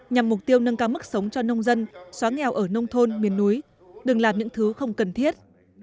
nhằm mục tiêu nâng cao mức sống cho nông dân xóa nghèo ở nông thôn miền núi đừng làm những thứ không cần thiết